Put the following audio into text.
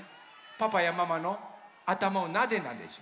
パパやママのあたまをなでなでします。